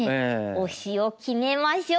推しを決めましょう！